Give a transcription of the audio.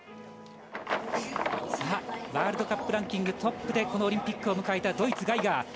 ワールドカップランキングトップでこのオリンピックを迎えたドイツ、ガイガー。